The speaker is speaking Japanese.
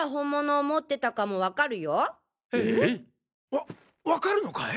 わわかるのかい？